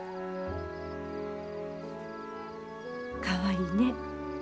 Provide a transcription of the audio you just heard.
かわいいね。